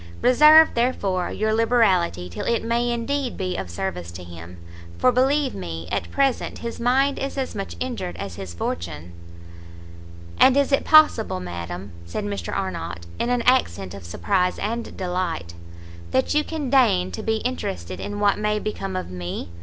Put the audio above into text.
Reserve, therefore, your liberality till it may indeed be of service to him, for believe me, at present, his mind is as much injured as his fortune." "And is it possible, madam," said Mr Arnott, in an accent of surprize and delight, "that you can deign to be interested in what may become of me!